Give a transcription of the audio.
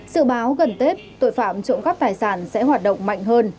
sự báo gần tết tội phạm trộn các tài sản sẽ hoạt động mạnh hơn